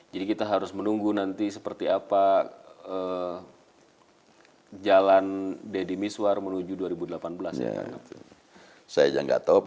jadi kita harus menunggu nanti seperti apa jalan deddy miswar menuju dua ribu delapan belas ya